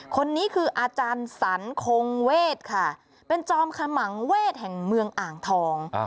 คนนี้คืออาจารย์สรรคงเวศค่ะเป็นจอมขมังเวศแห่งเมืองอ่างทอง